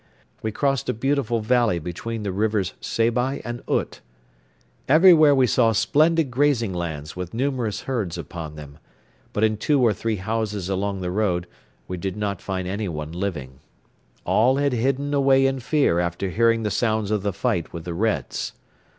We crossed a beautiful valley between the Rivers Seybi and Ut. Everywhere we saw splendid grazing lands with numerous herds upon them, but in two or three houses along the road we did not find anyone living. All had hidden away in fear after hearing the sounds of the fight with the Reds.